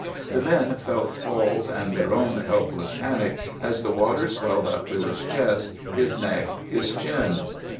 The men felt Paul's and their own helpless panic as the water swelled up to his chest, his neck, his chin.